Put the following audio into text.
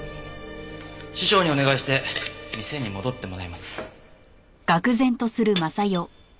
師匠にお願いして店に戻ってもらいます。